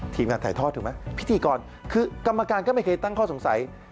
ทีมงานถ่ายทอดถูกไหมพิธีกรคือกรรมการก็ไม่เคยตั้งข้อสงสัย